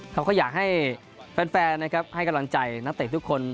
เขาก็อยากให้แฟนนะครับให้กำลังใจนักเตะทุกคน